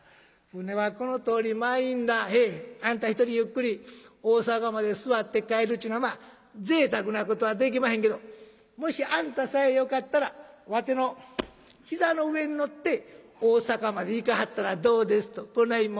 あんた一人ゆっくり大坂まで座って帰るっちゅうのは贅沢なことはできまへんけどもしあんたさえよかったらわての膝の上に乗って大坂まで行かはったらどうです？』とこない言い。